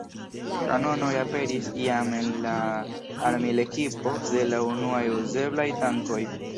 Kanonoj aperis jam en la armil-ekipo de la unuaj uzeblaj tankoj.